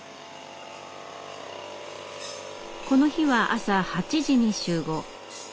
この日は朝８時に集合。